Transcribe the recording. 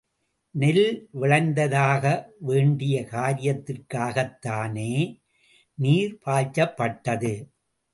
நெல் விளைந்தாக வேண்டிய காரியத்திற்காகத்தானே நீர் பாய்ச்சப்பட்டது.